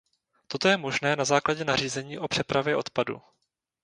Toto je možné na základě nařízení o přepravě odpadu.